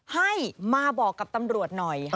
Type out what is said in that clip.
ให้มาบอกกับตำรวจหน่อย